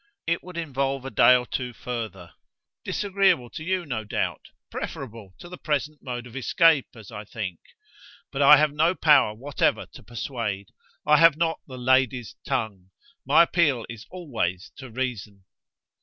It would involve a day or two further; disagreeable to you, no doubt: preferable to the present mode of escape, as I think. But I have no power whatever to persuade. I have not the 'lady's tongue'. My appeal is always to reason."